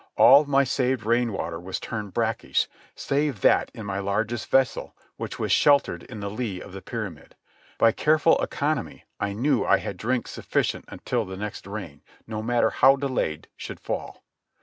All my saved rainwater was turned brackish, save that in my largest vessel which was sheltered in the lee of the pyramid. By careful economy I knew I had drink sufficient until the next rain, no matter how delayed, should fall.